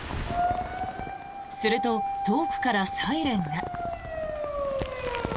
すると、遠くからサイレンが。